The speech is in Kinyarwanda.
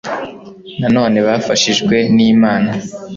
na none bafashijwe n'imana